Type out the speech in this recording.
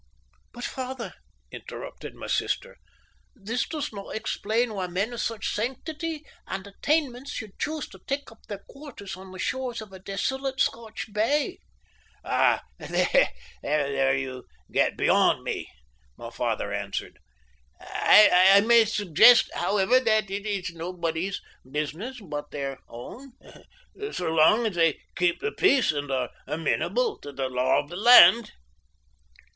"But, father," interrupted my sister, "this does not explain why men of such sanctity and attainments should choose to take up their quarters on the shores of a desolate Scotch bay." "Ah, there you get beyond me," my father answered. "I may suggest, however, that it is nobody's business but their own, so long as they keep the peace and are amenable to the law of the land."